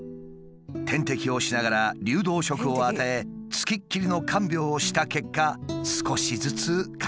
点滴をしながら流動食を与え付きっきりの看病をした結果少しずつ回復してきたという。